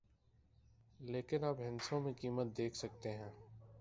لیکن آپ ہندسوں میں قیمت دیکھ سکتے ہیں